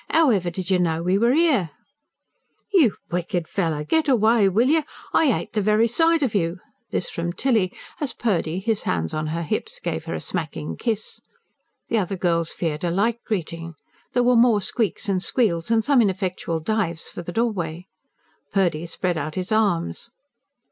'Owever did you know we were 'ere?" "You wicked fellow! Get away, will you! I 'ate the very sight of you!" this from Tilly, as Purdy, his hands on her hips, gave her a smacking kiss. The other girls feared a like greeting; there were more squeaks and squeals, and some ineffectual dives for the doorway. Purdy spread out his arms.